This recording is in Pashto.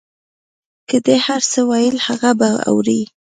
که ده هر څه ویل هغه به اورې.